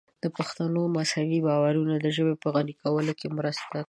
د پښتنو مذهبي باورونو د ژبې په غني کولو کې مرسته کړې ده.